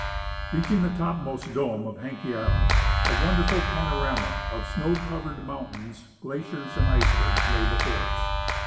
Reaching the topmost dome of Haenke island, a wonderful panorama of snow coVered mountains, glaciers, an.d icebergs lay before us.